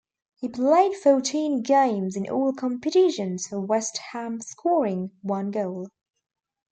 He played fourteen games in all competitions for West Ham scoring one goal.